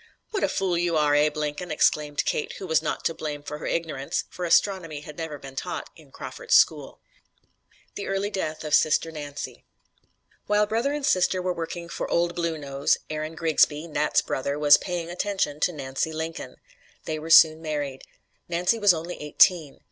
"What a fool you are, Abe Lincoln!" exclaimed Kate, who was not to blame for her ignorance, for astronomy had never been taught in Crawford's school. THE EARLY DEATH OF SISTER NANCY While brother and sister were working for "Old Blue Nose," Aaron Grigsby, "Nat's" brother, was "paying attention" to Nancy Lincoln. They were soon married. Nancy was only eighteen.